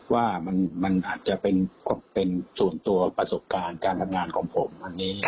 ว่ามันอาจจะเป็นส่วนตัวประสบการณ์การทำงานของผมอันนี้